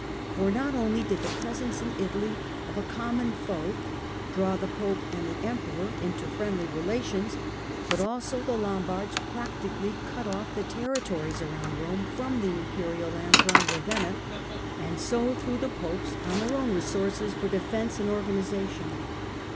For not only did the presence in Italy of a common foe draw the Pope and the Emperor into friendly relations, but also the Lombards practically cut off the territories around Rome from the Imperial lands round Ravenna, and so threw the Popes on their own resources for defence and organisation.